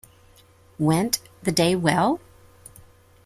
Went the Day Well?